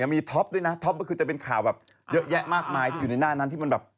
มีท็อปด้วยนะท็อปก็คือจะเป็นข่าวแบบเยอะแยะมากมายที่อยู่ในหน้านั้นที่มันแบบ